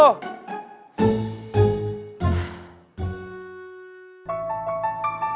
gak ada apa apa